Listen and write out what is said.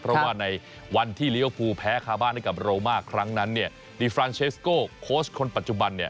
เพราะว่าในวันที่ลีเวอร์ภูลแพ้คะบ้านในกับโรม่าครั้งนั้นเลิฟามเชสโกโค้ชคนปัจจุบัน